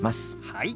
はい。